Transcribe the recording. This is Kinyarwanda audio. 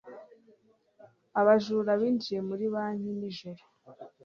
Abajura binjiye muri banki nijoro